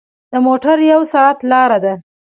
د موټر یو ساعت لاره ده.